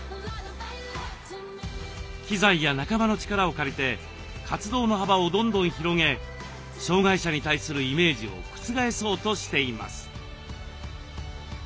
機材や仲間の力を借りて活動の幅をどんどん広げ障害者に対するイメージを覆そうとしています。